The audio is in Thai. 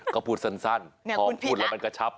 ก็พูดสั้นพอพูดแล้วมันกระชับ